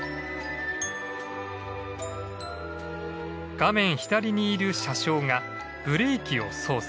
画面左にいる車掌がブレーキを操作。